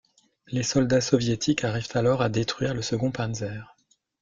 Les soldats soviétiques arrivent alors à détruire le second Panzer.